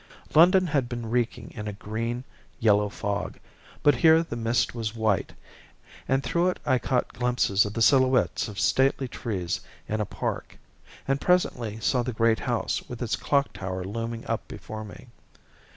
London had been reeking in a green yellow fog, but here the mist was white, and through it I caught glimpses of the silhouettes of stately trees in a park, and presently saw the great house with its clock tower looming up before me.